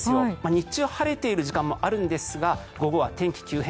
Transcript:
日中は晴れている時間もあるんですが、午後は天気急変。